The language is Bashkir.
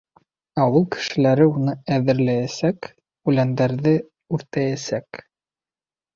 Ауыл кешеләре уны эҙәрләйәсәк, үләндәрҙе үртәйәсәк.